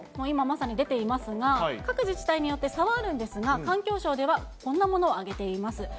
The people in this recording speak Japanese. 今まさに出ていますが、各自治体によって差はあるんですが、環境省ではこんなものを挙げています。